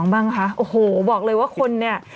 บ้างคะโอ้โหบอกเลยว่าคนเนี่ย